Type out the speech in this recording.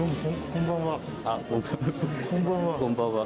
こんばんは。